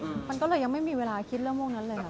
อืมมันก็เลยยังไม่มีเวลาคิดเรื่องมูลนั้นเลยนะครับ